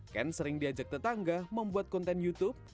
ken sering diajak tetangga membuat konten youtube